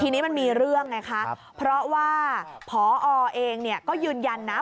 ทีนี้มันมีเรื่องไงคะเพราะว่าพอเองก็ยืนยันนะ